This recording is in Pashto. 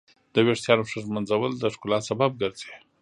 د ویښتانو ښه ږمنځول د ښکلا سبب ګرځي.